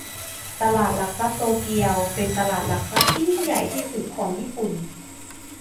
ตลาดหลักทรัพย์โตเกียวเป็นตลาดหลักทรัพย์ที่ใหญ่ที่สุดของญี่ปุ่น